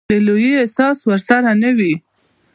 د لويي احساس ورسره نه وي.